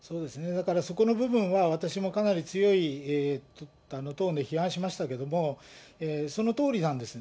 だからそこの部分は私もかなり強いトーンで批判しましたけども、そのとおりなんです。